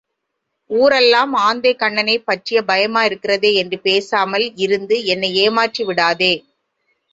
ஊரெல்லாம் ஆந்தைக்கண்ணனைப் பற்றிய பயமாயிருக்கிறதே என்று பேசாமல் இருந்து என்னை ஏமாற்றி விடாதே.